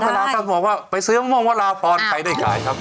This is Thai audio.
เดี๋ยวคุณรักครั้งบอกว่าไปซื้อมะม่วงว่าลาพรไก่ได้ไงครับ